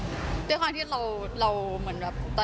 ออกงานอีเวนท์ครั้งแรกไปรับรางวัลเกี่ยวกับลูกทุ่ง